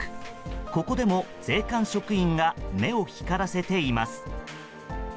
ここでも税関職員が目を光らせています。